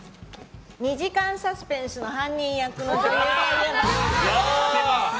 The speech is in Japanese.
２時間サスペンスの犯人役の女優といえば？